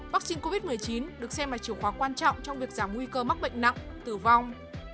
vaccine covid một mươi chín được xem là chìa khóa quan trọng trong việc giảm nguy cơ mắc bệnh nặng tử vong